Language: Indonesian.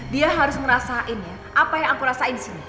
dia harus ngerasain ya apa yang aku rasain sih